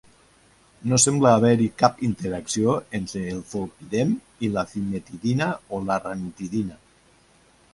No sembla haver-hi cap interacció entre el zolpidem i la cimetidina o ranitidina.